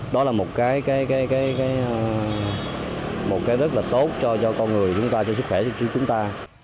đó là một cái rất là tốt cho con người chúng ta cho sức khỏe cho chúng ta